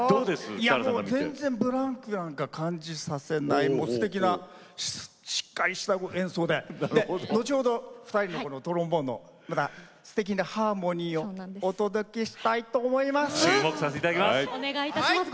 全然ブランクは感じさせないすてきなしっかりした演奏で後ほど２人でトロンボーンのすてきなハーモニーをお届けしたいと思います。